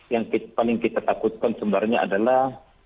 yang paling kita takutkan sebenarnya adalah